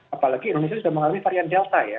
apalagi indonesia sudah mengalami varian delta ya